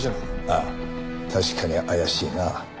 ああ確かに怪しいな。